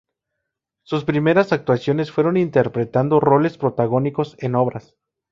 Sus primeras actuaciones fueron interpretando roles protagónicos en obras.